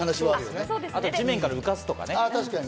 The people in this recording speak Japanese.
あとは地面から浮かすとかね。